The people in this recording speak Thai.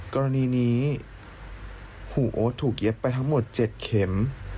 กรณีนี้หูโอ๊ตถูกเย็บไปทั้งหมด๗เข็ม